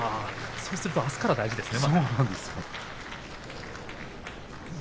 そうするとあすからが大事ですね。